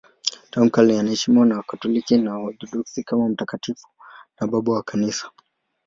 Tangu kale anaheshimiwa na Wakatoliki na Waorthodoksi kama mtakatifu na Baba wa Kanisa.